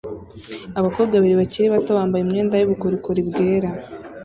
Abakobwa babiri bakiri bato bambaye imyenda yubukorikori bwera